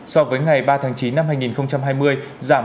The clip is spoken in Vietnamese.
so với ngày ba tháng chín năm hai nghìn hai mươi giảm